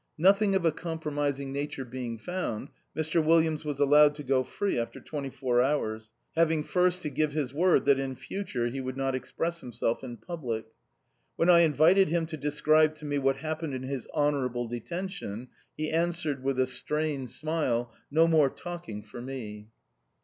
Nothing of a compromising nature being found, Mr. Williams was allowed to go free after twenty four hours, having first to give his word that in future he would not express himself in public. When I invited him to describe to me what happened in his "detention honorable," he answered with a strained smile, "No more talking for me!"